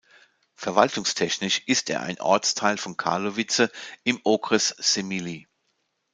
Verwaltungstechnisch ist er ein Ortsteil von Karlovice im Okres Semily.